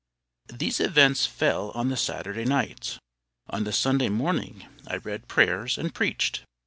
These events fell on the Saturday night. On the Sunday morning, I read prayers and preached.